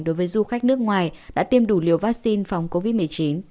đối với du khách nước ngoài đã tiêm đủ liều vaccine phòng covid một mươi chín